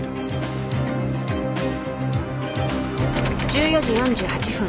１４時４８分